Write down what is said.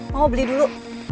mama beli dulu